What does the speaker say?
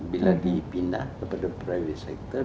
bila dipindah kepada prioris sector